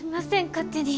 勝手に